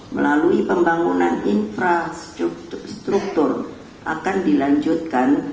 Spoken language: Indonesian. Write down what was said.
melalui pembangunan infrastruktur akan dilanjutkan